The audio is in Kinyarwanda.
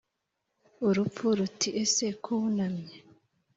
” urupfu ruti:” ese ko wunamye